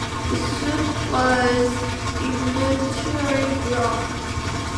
The suit was eventually dropped.